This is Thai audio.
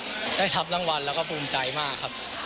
ได้รับรางวัลแล้วก็ภูมิใจมากครับ